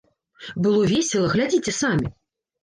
Было весела, глядзіце самі.